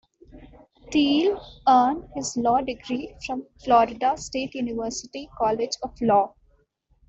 Teele earned his law degree from Florida State University College of Law.